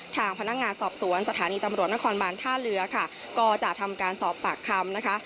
ทางพนักงานสอบสวนสถานีตำรวจนครบานท่าเรือค่ะก็จะทำการสอบปากคำนะคะ